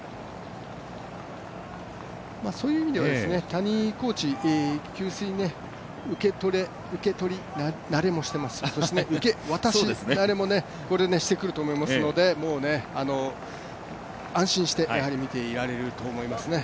谷井コーチ、給水受け取り慣れをしていますし受け渡し慣れもしてくると思いますので、安心して見ていられると思いますね。